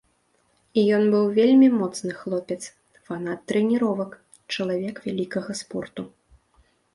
Ён быў вельмі моцны хлопец, фанат трэніровак, чалавек вялікага спорту.